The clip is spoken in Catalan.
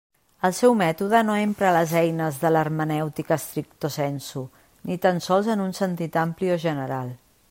El seu mètode no empra les eines de l'hermenèutica stricto sensu, ni tan sols en un sentit ampli o general.